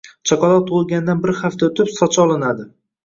Chaqaloq tug‘ilganidan bir hafta o‘tib, sochi olinadi.